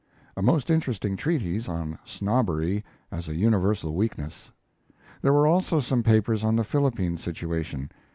a most interesting treatise on snobbery as a universal weakness. There were also some papers on the Philippine situation.